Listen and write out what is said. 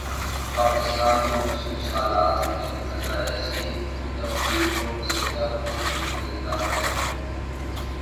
پاکستان کے مخصوص حالات میں بھلا ایسی تفتیشوں سے کب کچھ نکلتا ہے؟